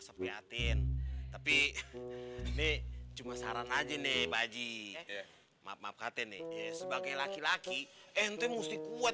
sampai jumpa di video selanjutnya